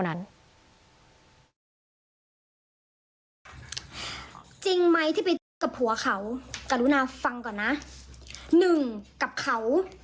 หนึ่งกับเขา